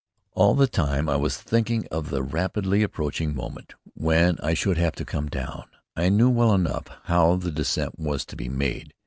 All the time I was thinking of the rapidly approaching moment when I should have to come down. I knew well enough how the descent was to be made.